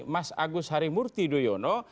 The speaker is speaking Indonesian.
mas agus harimurti doyono